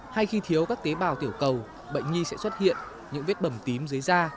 hay khi thiếu các tế bào tiểu cầu bệnh nhi sẽ xuất hiện những vết bầm tím dưới da